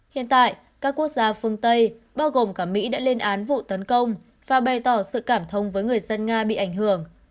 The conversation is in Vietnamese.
hiện tại các quốc gia phương tây bao gồm cả mỹ đã lên án vụ tấn công và bày tỏ sự cảm thông với người dân nga bị ảnh hưởng